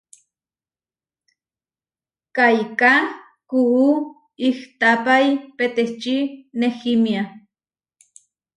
Kaiká kuú ihtapái peteči nehímia.